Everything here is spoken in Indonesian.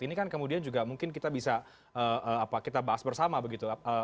ini kan kemudian juga mungkin kita bisa kita bahas bersama begitu